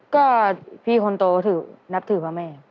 ก็พี่คนโตถือนับถือพระแม่